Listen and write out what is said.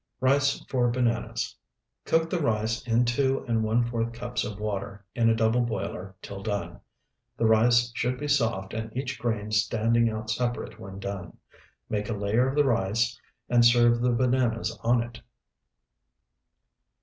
Rice for bananas: Cook the rice in two and one fourth cups of water in a double boiler till done. The rice should be soft and each grain standing out separate when done. Make a layer of the rice, and serve the bananas on it.